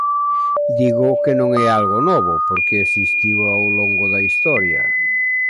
Digo que non é algo novo porque existiu ao longo da historia.